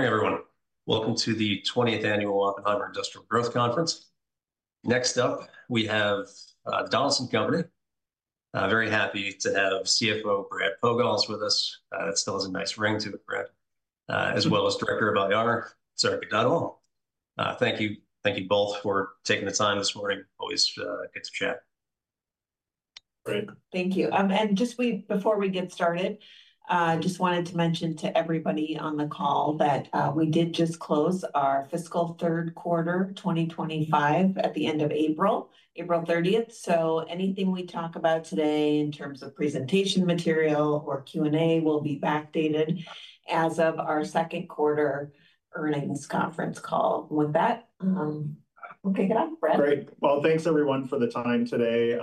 Morning, everyone. Welcome to the 20th Annual Oppenheimer Industrial Growth Conference. Next up, we have Donaldson Company. Very happy to have CFO Brad Pogalz with us. That still has a nice ring to it, Brad, as well as Director of IR, Sarika Dhadwal. Thank you. Thank you both for taking the time this morning. Always good to chat. Great. Thank you. Just before we get started, I just wanted to mention to everybody on the call that we did just close our fiscal third quarter 2025 at the end of April, April 30th. Anything we talk about today in terms of presentation material or Q&A will be backdated as of our second quarter earnings conference call. With that, we'll kick it off, Brad. Great. Thanks everyone for the time today.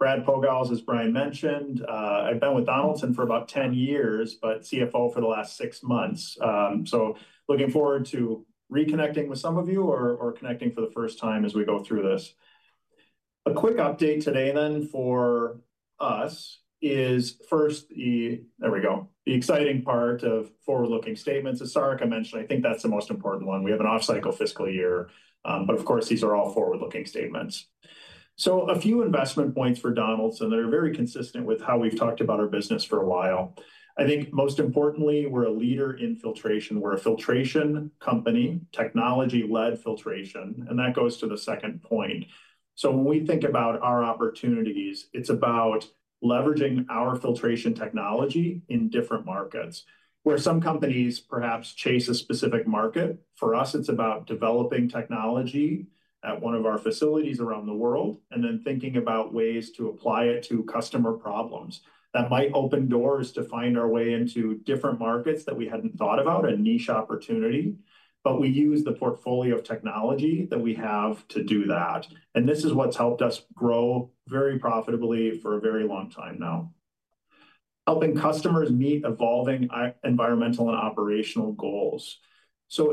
Brad Pogalz, as Brian mentioned, I've been with Donaldson for about 10 years, but CFO for the last six months. Looking forward to reconnecting with some of you or connecting for the first time as we go through this. A quick update today for us is first the—there we go—the exciting part of forward-looking statements. As Sarika mentioned, I think that's the most important one. We have an off-cycle fiscal year. Of course, these are all forward-looking statements. A few investment points for Donaldson that are very consistent with how we've talked about our business for a while. I think most importantly, we're a leader in filtration. We're a filtration company, technology-led filtration. That goes to the second point. When we think about our opportunities, it's about leveraging our filtration technology in different markets. Where some companies perhaps chase a specific market, for us, it's about developing technology at one of our facilities around the world and then thinking about ways to apply it to customer problems that might open doors to find our way into different markets that we hadn't thought about, a niche opportunity. We use the portfolio of technology that we have to do that. This is what's helped us grow very profitably for a very long time now. Helping customers meet evolving environmental and operational goals.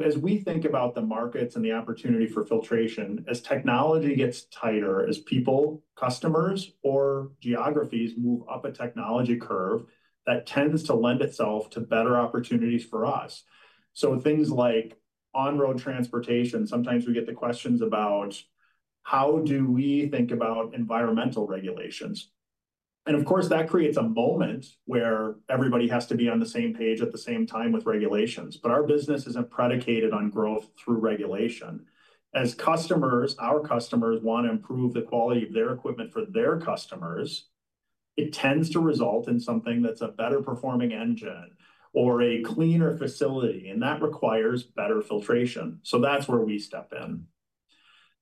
As we think about the markets and the opportunity for filtration, as technology gets tighter, as people, customers, or geographies move up a technology curve, that tends to lend itself to better opportunities for us. Things like on-road transportation, sometimes we get the questions about how do we think about environmental regulations. Of course, that creates a moment where everybody has to be on the same page at the same time with regulations. Our business isn't predicated on growth through regulation. As customers, our customers want to improve the quality of their equipment for their customers. It tends to result in something that's a better performing engine or a cleaner facility. That requires better filtration. That's where we step in.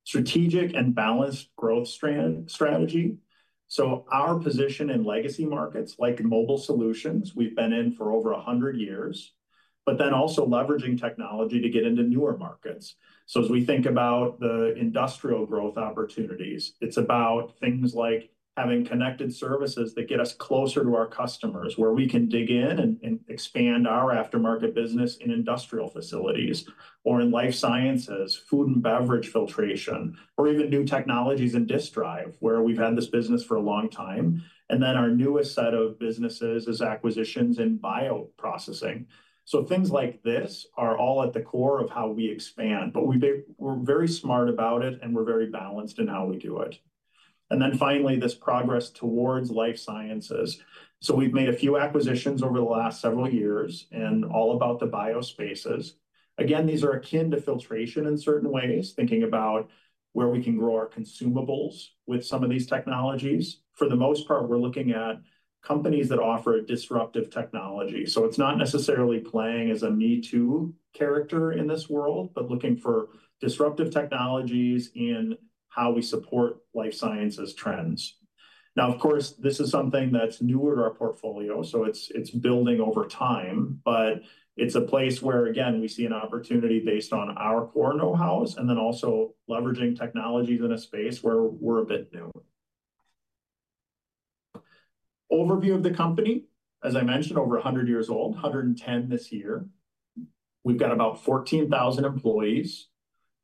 Strategic and balanced growth strategy. Our position in legacy markets like Mobile Solutions we've been in for over 100 years, but then also leveraging technology to get into newer markets. As we think about the industrial growth opportunities, it's about things like having connected services that get us closer to our customers where we can dig in and expand our aftermarket business in industrial facilities or in Life Sciences, food and beverage filtration, or even new technologies in disk drive where we've had this business for a long time. Our newest set of businesses is acquisitions in bioprocessing. Things like this are all at the core of how we expand. We're very smart about it, and we're very balanced in how we do it. Finally, this progress towards Life Sciences. We've made a few acquisitions over the last several years in all about the bio spaces. Again, these are akin to filtration in certain ways, thinking about where we can grow our consumables with some of these technologies. For the most part, we're looking at companies that offer disruptive technology. It's not necessarily playing as a me-too character in this world, but looking for disruptive technologies in how we support Life Sciences trends. Now, of course, this is something that's newer to our portfolio. It's building over time. It's a place where, again, we see an opportunity based on our core know-hows and then also leveraging technologies in a space where we're a bit new. Overview of the company, as I mentioned, over 100 years old, 110 this year. We've got about 14,000 employees.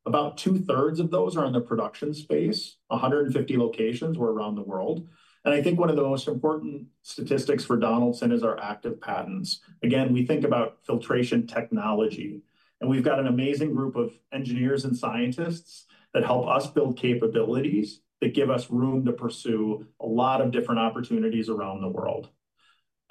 About two-thirds of those are in the production space, 150 locations around the world. I think one of the most important statistics for Donaldson is our active patents. Again, we think about filtration technology. We have an amazing group of engineers and scientists that help us build capabilities that give us room to pursue a lot of different opportunities around the world.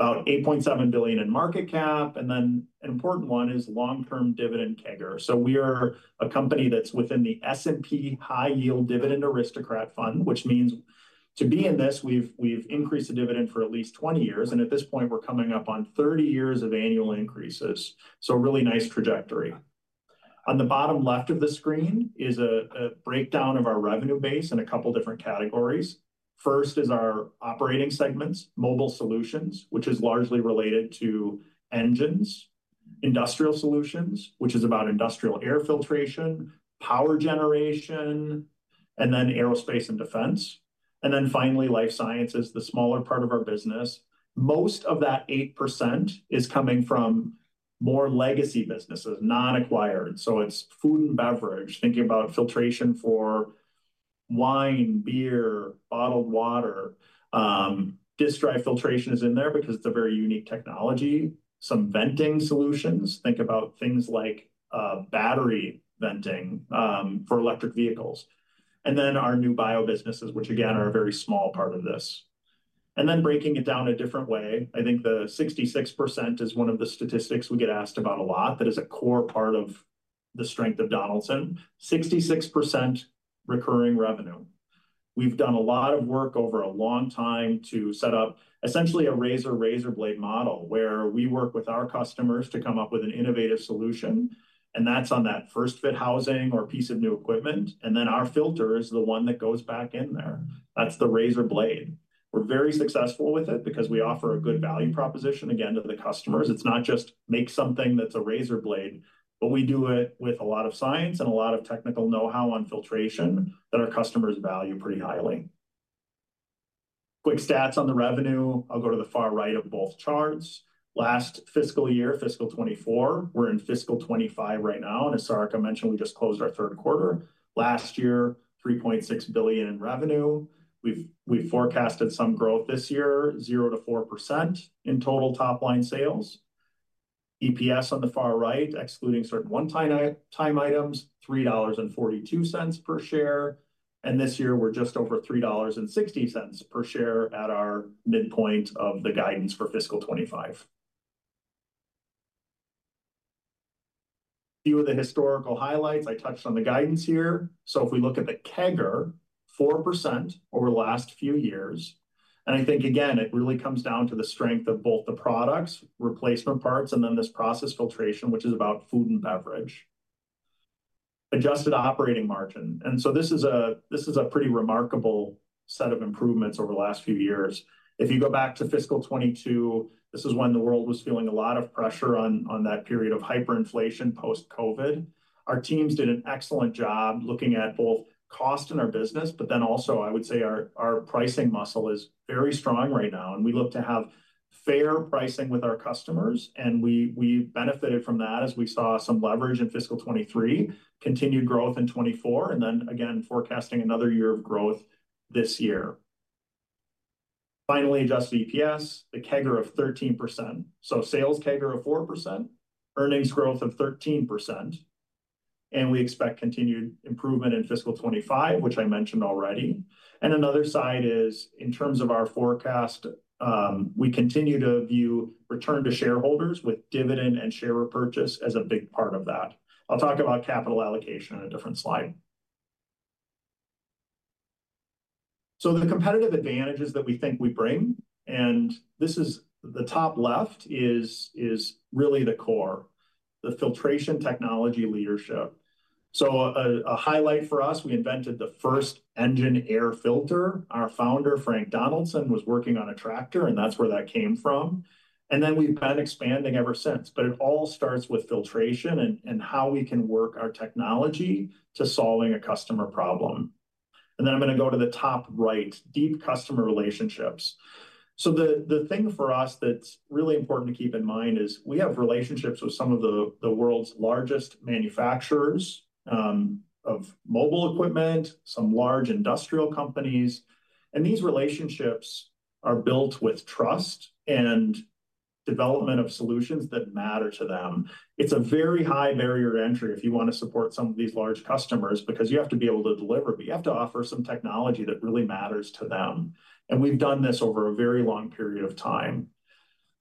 About $8.7 billion in market cap. An important one is long-term dividend CAGR. We are a company that's within the S&P High Yield Dividend Aristocrats Fund, which means to be in this, we've increased the dividend for at least 20 years. At this point, we're coming up on 30 years of annual increases. A really nice trajectory. On the bottom left of the screen is a breakdown of our revenue base in a couple of different categories. First is our operating segments, Mobile Solutions, which is largely related to engines, Industrial Solutions which is about industrial air filtration, power generation, and then Aerospace and Defense. Finally, Life Sciences, the smaller part of our business. Most of that 8% is coming from more legacy businesses, non-acquired. It is food and beverage, thinking about filtration for wine, beer, bottled water. Disk drive filtration is in there because it is a very unique technology. Some venting solutions, think about things like battery venting for electric vehicles. Our new bio businesses, which again are a very small part of this. Breaking it down a different way, I think the 66% is one of the statistics we get asked about a lot that is a core part of the strength of Donaldson. 66% recurring revenue. We have done a lot of work over a long time to set up essentially a razor razor blade model where we work with our customers to come up with an innovative solution. That is on that first bit housing or piece of new equipment. Our filter is the one that goes back in there. That's the razor blade. We're very successful with it because we offer a good value proposition, again, to the customers. It's not just make something that's a razor blade, but we do it with a lot of science and a lot of technical know-how on filtration that our customers value pretty highly. Quick stats on the revenue. I'll go to the far right of both charts. Last fiscal year, fiscal 2024, we're in fiscal 2025 right now. As Sarika mentioned, we just closed our third quarter. Last year, $3.6 billion in revenue. We've forecasted some growth this year, 0-4% in total top line sales. EPS on the far right, excluding certain one-time items, $3.42 per share. This year, we're just over $3.60 per share at our midpoint of the guidance for fiscal 2025. Few of the historical highlights. I touched on the guidance here. If we look at the CAGR, 4% over the last few years. I think, again, it really comes down to the strength of both the products, replacement parts, and then this process filtration, which is about food and beverage. Adjusted operating margin. This is a pretty remarkable set of improvements over the last few years. If you go back to fiscal 2022, this is when the world was feeling a lot of pressure on that period of hyperinflation post-COVID. Our teams did an excellent job looking at both cost in our business, but then also, I would say our pricing muscle is very strong right now. We look to have fair pricing with our customers. We benefited from that as we saw some leverage in fiscal 2023, continued growth in 2024, and again, forecasting another year of growth this year. Finally, adjusted EPS, the CAGR of 13%. Sales CAGR of 4%, earnings growth of 13%. We expect continued improvement in fiscal 2025, which I mentioned already. Another side is in terms of our forecast, we continue to view return to shareholders with dividend and share repurchase as a big part of that. I'll talk about capital allocation in a different slide. The competitive advantages that we think we bring, and this is the top left, is really the core, the filtration technology leadership. A highlight for us, we invented the first engine air filter. Our founder, Frank Donaldson, was working on a tractor, and that's where that came from. We have been expanding ever since. It all starts with filtration and how we can work our technology to solving a customer problem. I am going to go to the top right, deep customer relationships. The thing for us that is really important to keep in mind is we have relationships with some of the world's largest manufacturers of mobile equipment, some large industrial companies. These relationships are built with trust and development of solutions that matter to them. It is a very high barrier to entry if you want to support some of these large customers because you have to be able to deliver, but you have to offer some technology that really matters to them. We have done this over a very long period of time.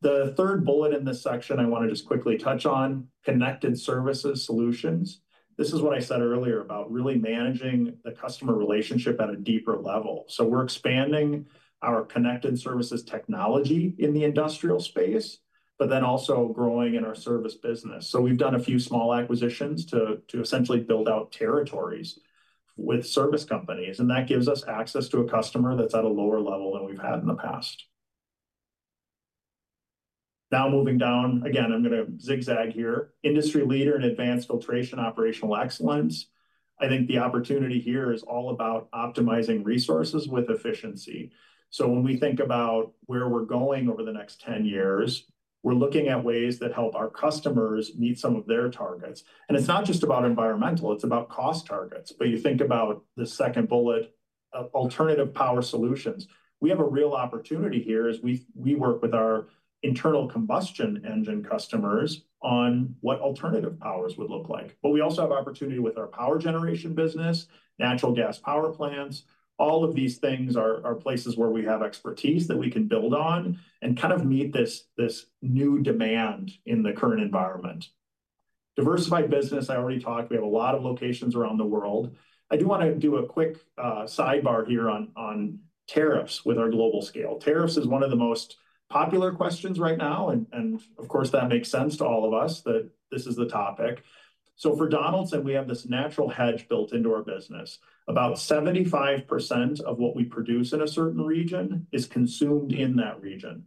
The third bullet in this section I want to just quickly touch on, connected services solutions. This is what I said earlier about really managing the customer relationship at a deeper level. We're expanding our connected services technology in the industrial space, but then also growing in our service business. We've done a few small acquisitions to essentially build out territories with service companies. That gives us access to a customer that's at a lower level than we've had in the past. Now moving down, again, I'm going to zigzag here. Industry leader in advanced filtration operational excellence. I think the opportunity here is all about optimizing resources with efficiency. When we think about where we're going over the next 10 years, we're looking at ways that help our customers meet some of their targets. It's not just about environmental. It's about cost targets. You think about the second bullet, alternative power solutions. We have a real opportunity here as we work with our internal combustion engine customers on what alternative powers would look like. We also have opportunity with our power generation business, natural gas power plants. All of these things are places where we have expertise that we can build on and kind of meet this new demand in the current environment. Diversified business, I already talked. We have a lot of locations around the world. I do want to do a quick sidebar here on tariffs with our global scale. Tariffs is one of the most popular questions right now. Of course, that makes sense to all of us that this is the topic. For Donaldson, we have this natural hedge built into our business. About 75% of what we produce in a certain region is consumed in that region.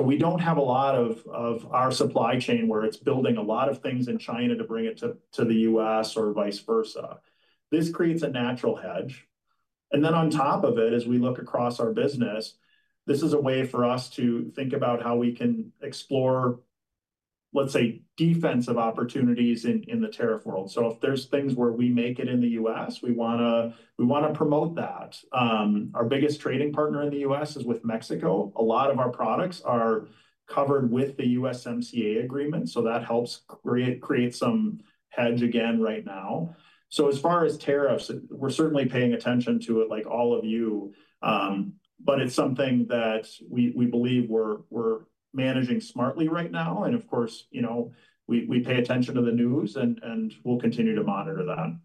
We do not have a lot of our supply chain where it is building a lot of things in China to bring it to the U.S. or vice versa. This creates a natural hedge. Then on top of it, as we look across our business, this is a way for us to think about how we can explore, let's say, defensive opportunities in the tariff world. If there are things where we make it in the U.S., we want to promote that. Our biggest trading partner in the U.S. is with Mexico. A lot of our products are covered with the USMCA agreement. That helps create some hedge again right now. As far as tariffs, we are certainly paying attention to it like all of you. It is something that we believe we are managing smartly right now. Of course, we pay attention to the news, and we'll continue to monitor that.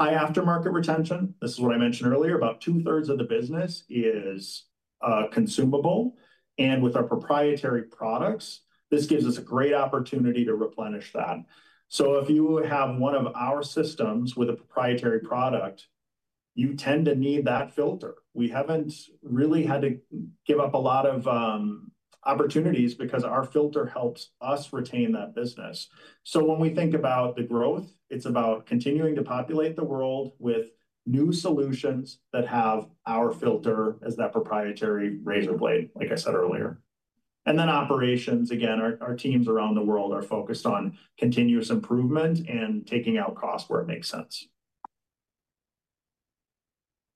High aftermarket retention, this is what I mentioned earlier. About two-thirds of the business is consumable. With our proprietary products, this gives us a great opportunity to replenish that. If you have one of our systems with a proprietary product, you tend to need that filter. We haven't really had to give up a lot of opportunities because our filter helps us retain that business. When we think about the growth, it's about continuing to populate the world with new solutions that have our filter as that proprietary razor blade, like I said earlier. Operations, again, our teams around the world are focused on continuous improvement and taking out costs where it makes sense.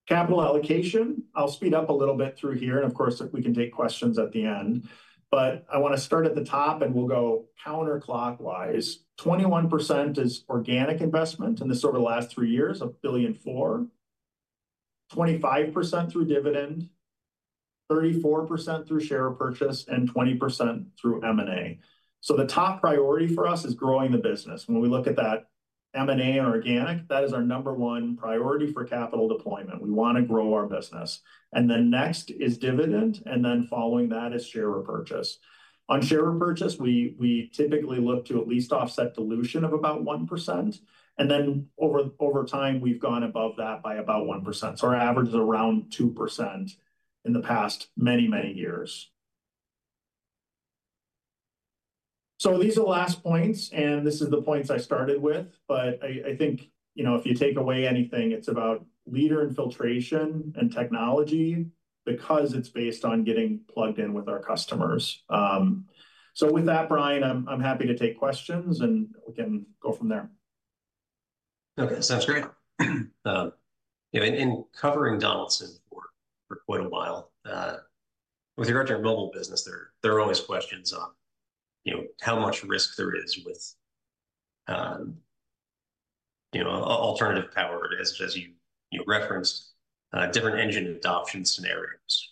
Capital allocation, I'll speed up a little bit through here. Of course, we can take questions at the end. I want to start at the top, and we'll go counterclockwise. 21% is organic investment in this over the last three years, $1.4 billion, 25% through dividend, 34% through share purchase, and 20% through M&A. The top priority for us is growing the business. When we look at that M&A and organic, that is our number one priority for capital deployment. We want to grow our business. Next is dividend, and following that is share repurchase. On share repurchase, we typically look to at least offset dilution of about 1%. Over time, we've gone above that by about 1%. Our average is around 2% in the past many, many years. These are the last points, and this is the points I started with. I think if you take away anything, it's about leader in filtration and technology because it's based on getting plugged in with our customers. With that, Brian, I'm happy to take questions, and we can go from there. Okay. Sounds great. In covering Donaldson for quite a while, with regard to your mobile business, there are always questions on how much risk there is with alternative power, as you referenced, different engine adoption scenarios,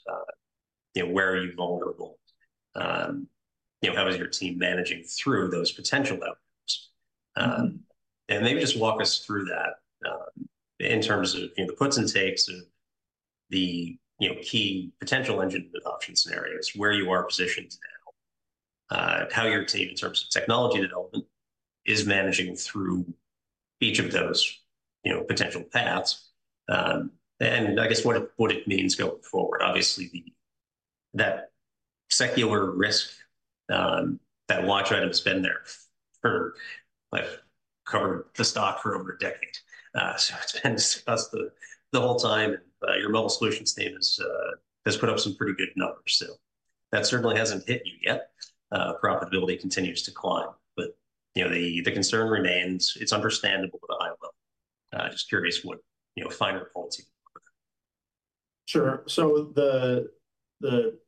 where are you vulnerable, how is your team managing through those potential outcomes? Maybe just walk us through that in terms of the puts and takes of the key potential engine adoption scenarios, where you are positioned now, how your team in terms of technology development is managing through each of those potential paths. I guess what it means going forward, obviously, that secular risk, that watch item has been there for covering the stock for over a decade. It has been discussed the whole time. Your mobile solutions team has put up some pretty good numbers. That certainly has not hit you yet. Profitability continues to climb. The concern remains. It is understandable at a high level. Just curious what final thoughts you have on that. Sure. The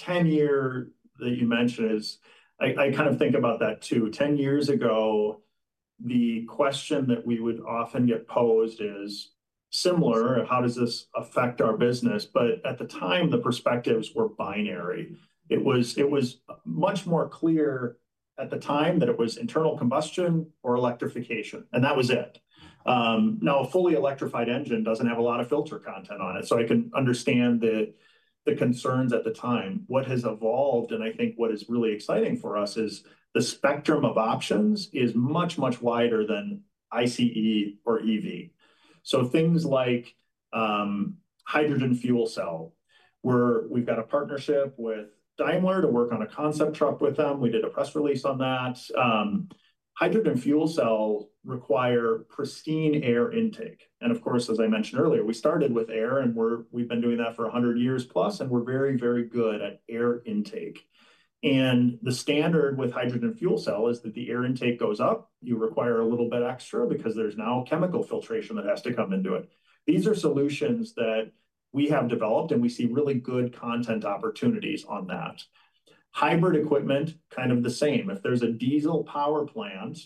10-year that you mentioned is I kind of think about that too. Ten years ago, the question that we would often get posed is similar, how does this affect our business? At the time, the perspectives were binary. It was much more clear at the time that it was internal combustion or electrification. That was it. Now, a fully electrified engine does not have a lot of filter content on it. I can understand the concerns at the time. What has evolved, and I think what is really exciting for us, is the spectrum of options is much, much wider than ICE or EV. Things like hydrogen fuel cell, where we have a partnership with Daimler to work on a concept truck with them. We did a press release on that. Hydrogen fuel cell requires pristine air intake. Of course, as I mentioned earlier, we started with air, and we've been doing that for 100 years plus, and we're very, very good at air intake. The standard with hydrogen fuel cell is that the air intake goes up. You require a little bit extra because there's now chemical filtration that has to come into it. These are solutions that we have developed, and we see really good content opportunities on that. Hybrid equipment, kind of the same. If there's a diesel power plant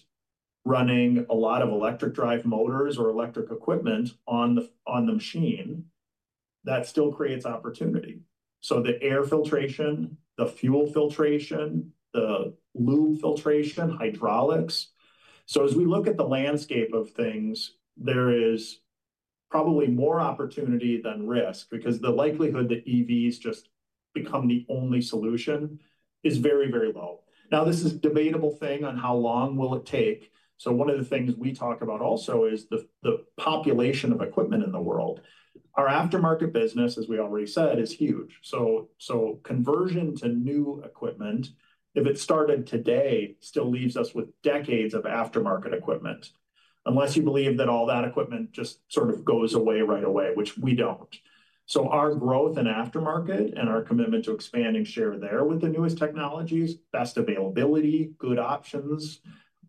running a lot of electric drive motors or electric equipment on the machine, that still creates opportunity. The air filtration, the fuel filtration, the lube filtration, hydraulics. As we look at the landscape of things, there is probably more opportunity than risk because the likelihood that EVs just become the only solution is very, very low. Now, this is a debatable thing on how long will it take. One of the things we talk about also is the population of equipment in the world. Our aftermarket business, as we already said, is huge. Conversion to new equipment, if it started today, still leaves us with decades of aftermarket equipment, unless you believe that all that equipment just sort of goes away right away, which we do not. Our growth in aftermarket and our commitment to expanding share there with the newest technologies, best availability, good options,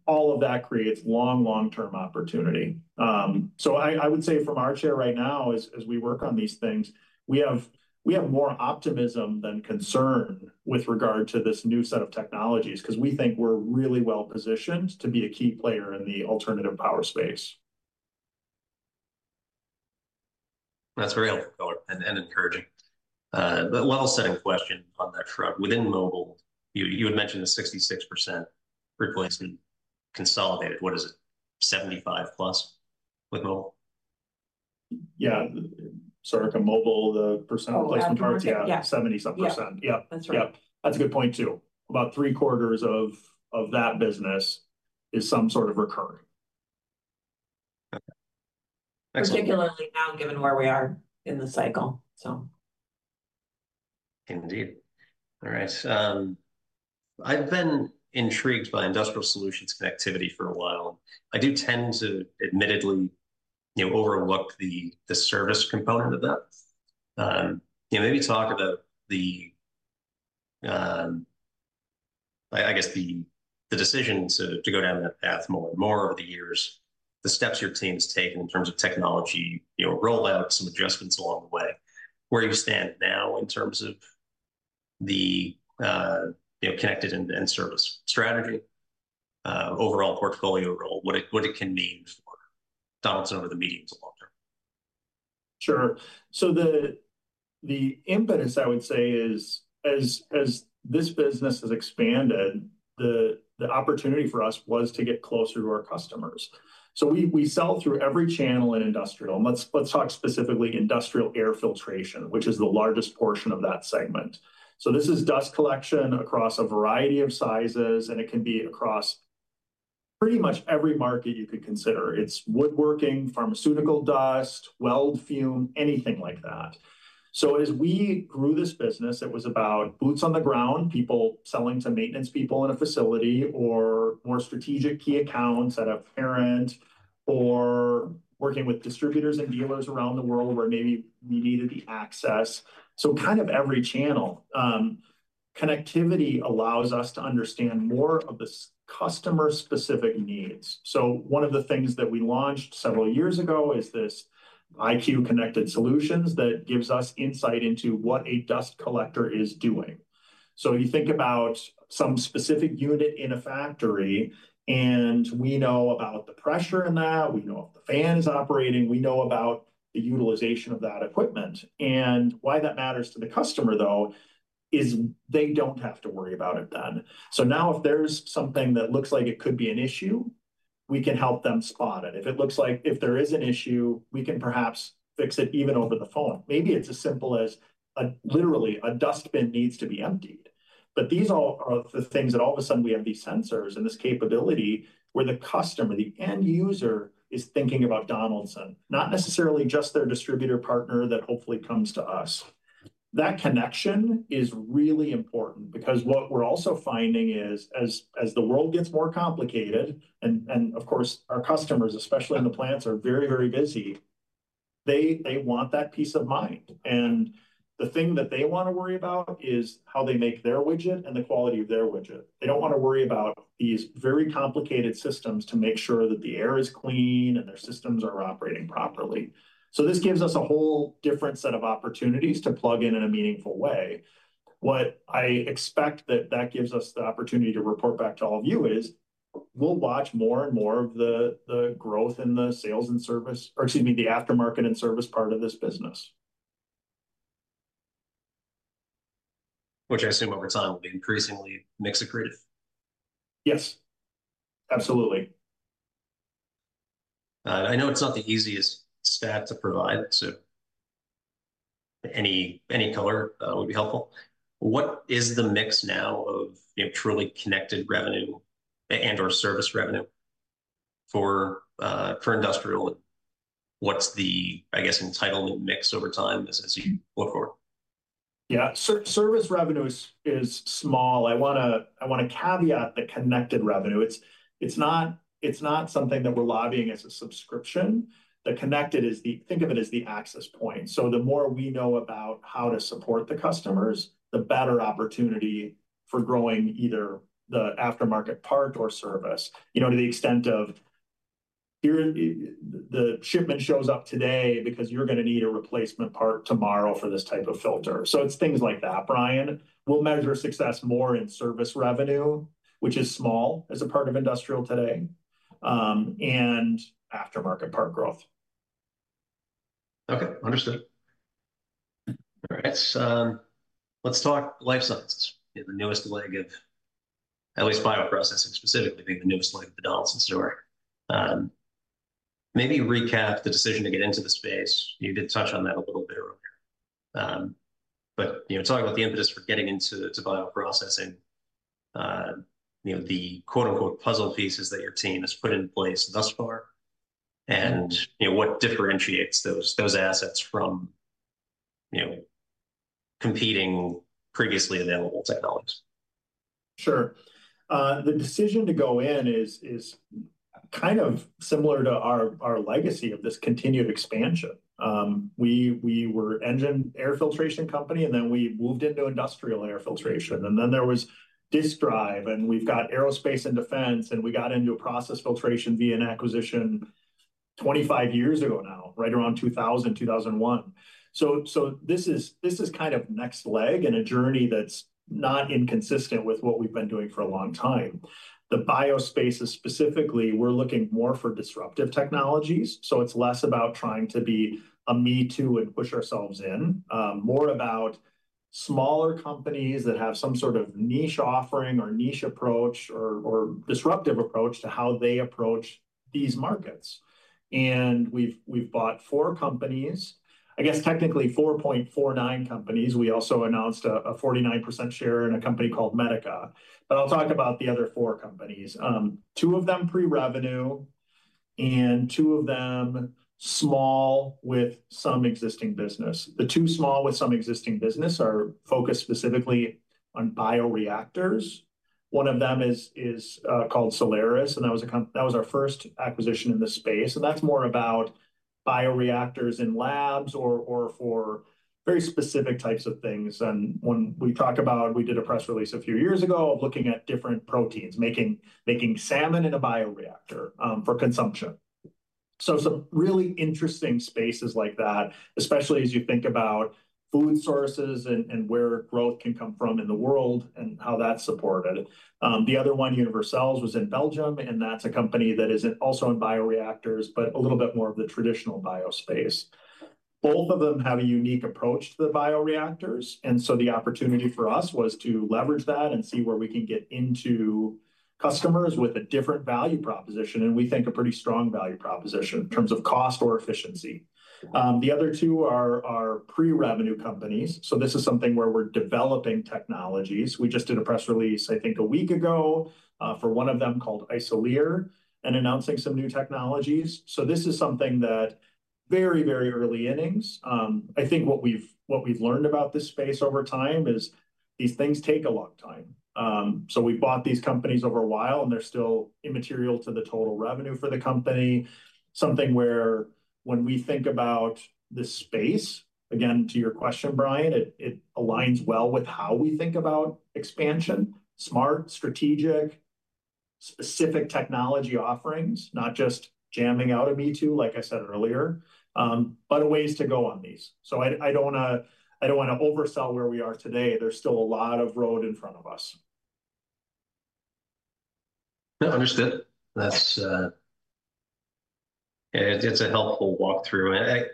all of that creates long, long-term opportunity. I would say from our chair right now, as we work on these things, we have more optimism than concern with regard to this new set of technologies because we think we are really well positioned to be a key player in the alternative power space. That's very helpful and encouraging. One last setting question on that truck. Within mobile, you had mentioned the 66% replacement consolidated. What is it? 75% plus with mobile? Yeah. Sorry, mobile, the % replacement parts, yeah, 70-something %. Yeah. That's right. Yep. That's a good point too. About three-quarters of that business is some sort of recurring. Particularly now, given where we are in the cycle. Indeed. All right. I've been intrigued by industrial solutions connectivity for a while. I do tend to admittedly overlook the service component of that. Maybe talk about the, I guess, the decision to go down that path more and more over the years, the steps your team has taken in terms of technology rollouts, some adjustments along the way. Where you stand now in terms of the connected end-to-end service strategy, overall portfolio role, what it can mean for Donaldson over the medium to long term? Sure. The impetus, I would say, is as this business has expanded, the opportunity for us was to get closer to our customers. We sell through every channel in industrial. Let's talk specifically industrial air filtration, which is the largest portion of that segment. This is dust collection across a variety of sizes, and it can be across pretty much every market you could consider. It's woodworking, pharmaceutical dust, weld fume, anything like that. As we grew this business, it was about boots on the ground, people selling to maintenance people in a facility or more strategic key accounts at a parent or working with distributors and dealers around the world where maybe we needed the access. Kind of every channel. Connectivity allows us to understand more of the customer-specific needs. One of the things that we launched several years ago is this iCue Connected Solutions that gives us insight into what a dust collector is doing. You think about some specific unit in a factory, and we know about the pressure in that. We know if the fan is operating. We know about the utilization of that equipment. Why that matters to the customer, though, is they do not have to worry about it then. If there is something that looks like it could be an issue, we can help them spot it. If it looks like there is an issue, we can perhaps fix it even over the phone. Maybe it is as simple as literally a dustbin needs to be emptied. These are the things that all of a sudden we have, these sensors and this capability where the customer, the end user, is thinking about Donaldson, not necessarily just their distributor partner that hopefully comes to us. That connection is really important because what we're also finding is as the world gets more complicated, and of course, our customers, especially in the plants, are very, very busy. They want that peace of mind. The thing that they want to worry about is how they make their widget and the quality of their widget. They don't want to worry about these very complicated systems to make sure that the air is clean and their systems are operating properly. This gives us a whole different set of opportunities to plug in in a meaningful way. What I expect that that gives us the opportunity to report back to all of you is we'll watch more and more of the growth in the sales and service or, excuse me, the aftermarket and service part of this business. Which I assume over time will be increasingly mixed accretive. Yes. Absolutely. I know it's not the easiest stat to provide, so any color would be helpful. What is the mix now of truly connected revenue and/or service revenue for industrial? What's the, I guess, entitlement mix over time as you look forward? Yeah. Service revenue is small. I want to caveat the connected revenue. It's not something that we're lobbying as a subscription. The connected is the, think of it as the access point. The more we know about how to support the customers, the better opportunity for growing either the aftermarket part or service. To the extent of the shipment shows up today because you're going to need a replacement part tomorrow for this type of filter. It's things like that. Brian, we'll measure success more in service revenue, which is small as a part of industrial today, and aftermarket part growth. Okay. Understood. All right. Let's talk Life Sciences, the newest leg of at least bioprocessing, specifically being the newest leg of the Donaldson store. Maybe recap the decision to get into the space. You did touch on that a little bit earlier. Talk about the impetus for getting into bioprocessing, the "puzzle pieces" that your team has put in place thus far, and what differentiates those assets from competing previously available technologies. Sure. The decision to go in is kind of similar to our legacy of this continued expansion. We were an engine air filtration company, and then we moved into industrial air filtration. Then there was disk drive, and we've got aerospace and defense, and we got into process filtration via an acquisition 25 years ago now, right around 2000, 2001. This is kind of next leg in a journey that's not inconsistent with what we've been doing for a long time. The biospace is specifically we're looking more for disruptive technologies. It's less about trying to be a me too and push ourselves in, more about smaller companies that have some sort of niche offering or niche approach or disruptive approach to how they approach these markets. We've bought four companies, I guess technically 4.49 companies. We also announced a 49% share in a company called Medica. I'll talk about the other four companies. Two of them are pre-revenue, and two of them are small with some existing business. The two small with some existing business are focused specifically on bioreactors. One of them is called Solaris, and that was our first acquisition in the space. That is more about bioreactors in labs or for very specific types of things. When we talk about we did a press release a few years ago of looking at different proteins, making salmon in a bioreactor for consumption. Some really interesting spaces like that, especially as you think about food sources and where growth can come from in the world and how that is supported. The other one, Univercells, was in Belgium, and that's a company that is also in bioreactors, but a little bit more of the traditional biospace. Both of them have a unique approach to the bioreactors. The opportunity for us was to leverage that and see where we can get into customers with a different value proposition, and we think a pretty strong value proposition in terms of cost or efficiency. The other two are pre-revenue companies. This is something where we're developing technologies. We just did a press release, I think, a week ago for one of them called Isolere and announcing some new technologies. This is something that is very, very early innings. I think what we've learned about this space over time is these things take a long time. We bought these companies over a while, and they're still immaterial to the total revenue for the company. Something where when we think about the space, again, to your question, Brian, it aligns well with how we think about expansion, smart, strategic, specific technology offerings, not just jamming out a me too, like I said earlier, but ways to go on these. I don't want to oversell where we are today. There's still a lot of road in front of us. Understood. That's a helpful walkthrough.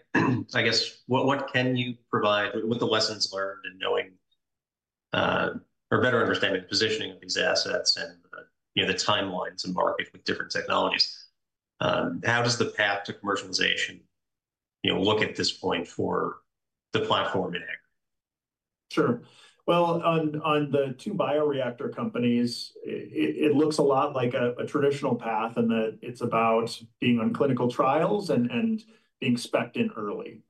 I guess, what can you provide with the lessons learned and knowing or better understanding the positioning of these assets and the timelines and market with different technologies? How does the path to commercialization look at this point for the platform in ag? Sure. On the two bioreactor companies, it looks a lot like a traditional path in that it's about being on clinical trials and being specced in early.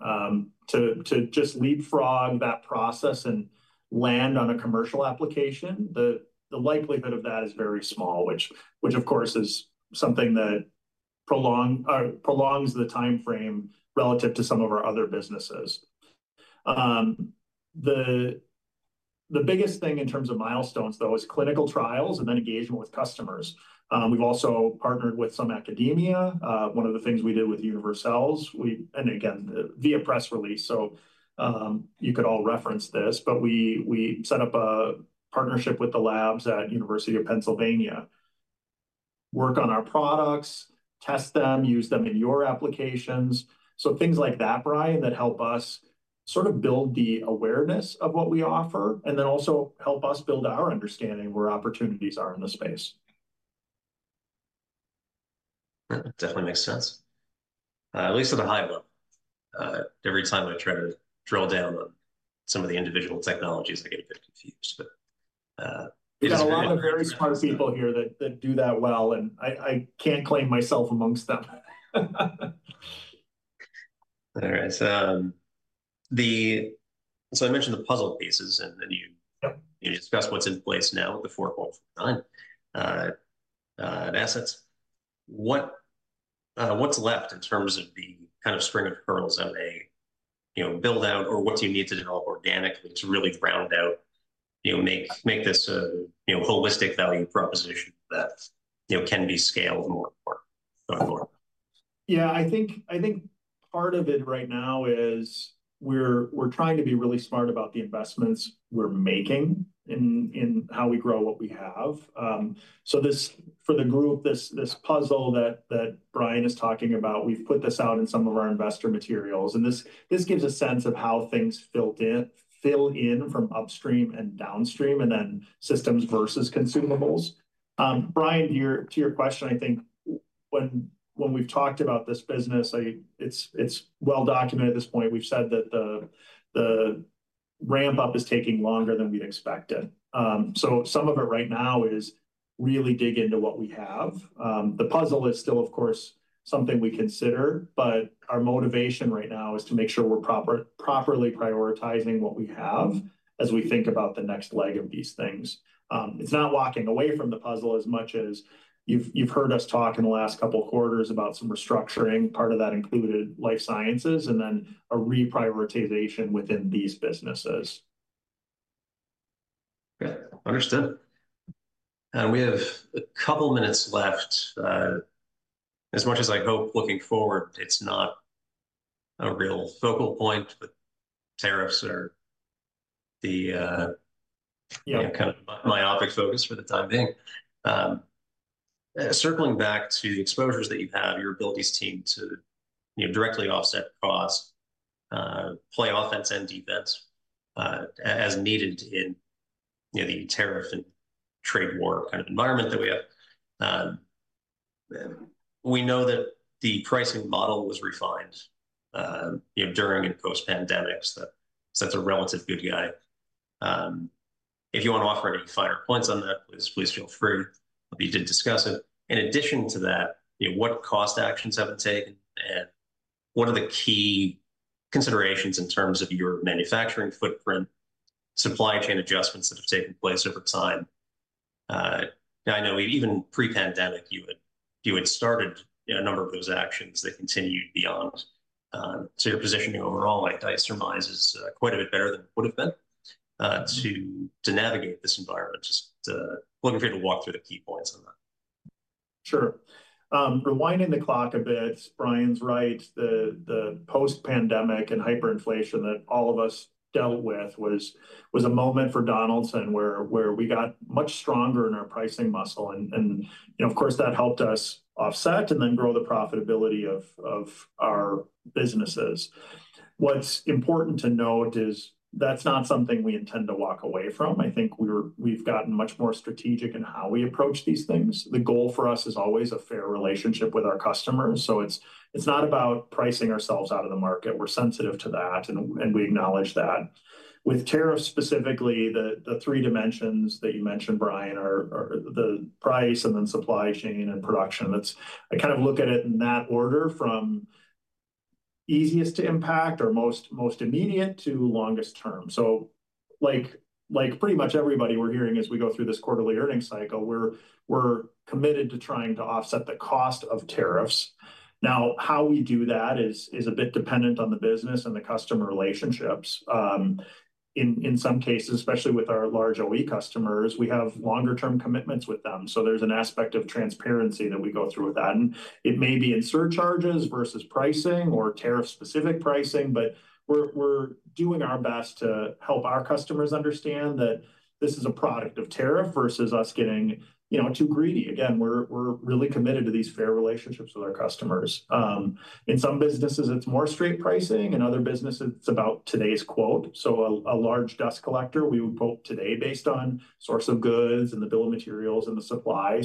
To just leapfrog that process and land on a commercial application, the likelihood of that is very small, which, of course, is something that prolongs the timeframe relative to some of our other businesses. The biggest thing in terms of milestones, though, is clinical trials and then engagement with customers. We've also partnered with some academia. One of the things we did with Univercells, and again, via press release, so you could all reference this, but we set up a partnership with the labs at University of Pennsylvania. Work on our products, test them, use them in your applications. Things like that, Brian, that help us sort of build the awareness of what we offer and then also help us build our understanding of where opportunities are in the space. Definitely makes sense. At least at a high level. Every time I try to drill down on some of the individual technologies, I get a bit confused. We've got a lot of very smart people here that do that well, and I can't claim myself amongst them. All right. I mentioned the puzzle pieces, and you discussed what's in place now with the four acquarter assets. What's left in terms of the kind of string of hurdles that they build out, or what do you need to develop organically to really round out, make this a holistic value proposition that can be scaled more and more? Yeah. I think part of it right now is we're trying to be really smart about the investments we're making in how we grow what we have. For the group, this puzzle that Brian is talking about, we've put this out in some of our investor materials. This gives a sense of how things fill in from upstream and downstream and then systems versus consumables. Brian, to your question, I think when we've talked about this business, it's well documented at this point. We've said that the ramp-up is taking longer than we expected. Some of it right now is really dig into what we have. The puzzle is still, of course, something we consider, but our motivation right now is to make sure we're properly prioritizing what we have as we think about the next leg of these things. It's not walking away from the puzzle as much as you've heard us talk in the last couple of quarters about some restructuring. Part of that included Life Sciences and then a reprioritization within these businesses. Okay. Understood. We have a couple of minutes left. As much as I hope looking forward, it's not a real focal point, but tariffs are the kind of myopic focus for the time being. Circling back to the exposures that you have, your abilities team to directly offset cost, play offense and defense as needed in the tariff and trade war kind of environment that we have. We know that the pricing model was refined during and post-pandemics. That's a relative good guide. If you want to offer any finer points on that, please feel free. We did discuss it. In addition to that, what cost actions have been taken, and what are the key considerations in terms of your manufacturing footprint, supply chain adjustments that have taken place over time? I know even pre-pandemic, you had started a number of those actions that continued beyond. Your positioning overall, I guess, surmises quite a bit better than it would have been to navigate this environment. Just feel free to walk through the key points on that. Sure. Rewinding the clock a bit, Brian's right. The post-pandemic and hyperinflation that all of us dealt with was a moment for Donaldson where we got much stronger in our pricing muscle. Of course, that helped us offset and then grow the profitability of our businesses. What's important to note is that's not something we intend to walk away from. I think we've gotten much more strategic in how we approach these things. The goal for us is always a fair relationship with our customers. It's not about pricing ourselves out of the market. We're sensitive to that, and we acknowledge that. With tariffs specifically, the three dimensions that you mentioned, Brian, are the price and then supply chain and production. I kind of look at it in that order from easiest to impact or most immediate to longest term. Like pretty much everybody we're hearing as we go through this quarterly earnings cycle, we're committed to trying to offset the cost of tariffs. How we do that is a bit dependent on the business and the customer relationships. In some cases, especially with our large OE customers, we have longer-term commitments with them. There's an aspect of transparency that we go through with that. It may be insert charges versus pricing or tariff-specific pricing, but we're doing our best to help our customers understand that this is a product of tariff versus us getting too greedy. Again, we're really committed to these fair relationships with our customers. In some businesses, it's more straight pricing. In other businesses, it's about today's quote. A large dust collector, we would quote today based on source of goods and the bill of materials and the supply.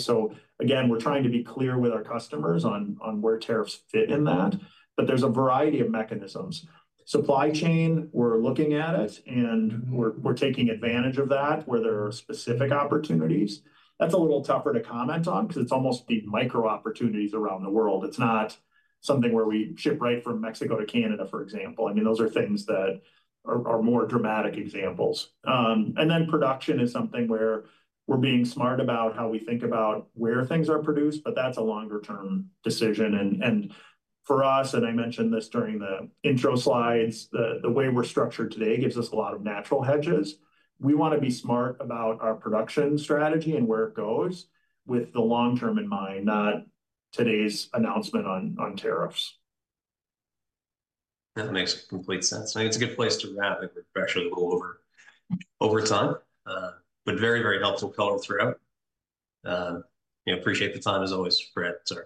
Again, we're trying to be clear with our customers on where tariffs fit in that. There is a variety of mechanisms. Supply chain, we're looking at it, and we're taking advantage of that where there are specific opportunities. That's a little tougher to comment on because it's almost the micro opportunities around the world. It's not something where we ship right from Mexico to Canada, for example. I mean, those are things that are more dramatic examples. Production is something where we're being smart about how we think about where things are produced, but that's a longer-term decision. For us, and I mentioned this during the intro slides, the way we're structured today gives us a lot of natural hedges. We want to be smart about our production strategy and where it goes with the long term in mind, not today's announcement on tariffs. That makes complete sense. I think it's a good place to wrap and refresh as we go over time, but very, very helpful color throughout. Appreciate the time as always. Brad, sorry.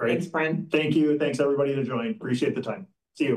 Thanks, Brian. Thank you. Thanks, everybody that joined. Appreciate the time. See you.